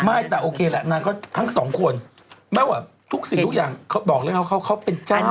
ไม่แต่โอเคแหละทั้งสองคนแม้ว่าทุกสิ่งทุกอย่างเขาเป็นเจ้าของแฟนชั่นโลก